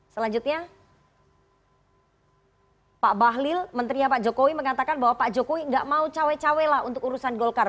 selanjutnya pak bahlil menterinya pak jokowi mengatakan bahwa pak jokowi nggak mau cawe cawe lah untuk urusan golkar